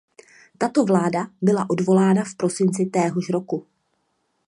Tato vláda byla odvolána v prosinci téhož roku.